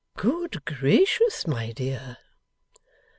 'Good gracious, my dear!